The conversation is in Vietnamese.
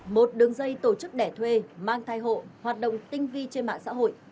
một đường dây tổ chức đẻ thuê mang thai hộ hoạt động tinh vi trên mạng xã hội